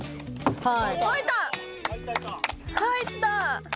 はい。